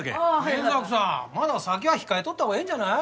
賢作さんまだ酒は控えとったほうがええんじゃない？